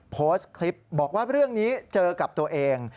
โพสต์คลิปบอกว่าเรื่องนี้เจอกับตัวเอง